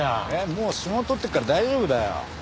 もう指紋採ってるから大丈夫だよ。